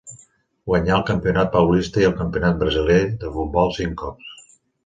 Guanyà el Campionat paulista i el Campionat brasiler de futbol cinc cops.